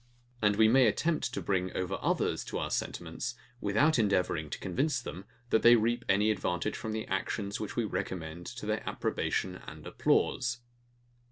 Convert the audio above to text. And we may attempt to bring over others to our sentiments, without endeavouring to convince them, that they reap any advantage from the actions which we recommend to their approbation and applause.